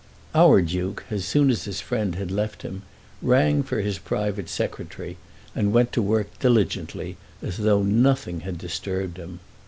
Our Duke, as soon as his friend had left him, rang for his private secretary, and went to work diligently, as though nothing had disturbed him.